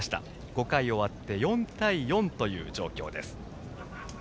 ５回を終わって４対４という状況です。